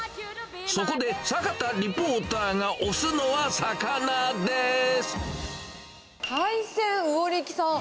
そこで、坂田リポーターが推すの海鮮魚力さん。